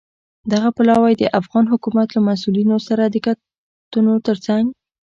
دغه پلاوی د افغان حکومت له مسوولینو سره د کتنو ترڅنګ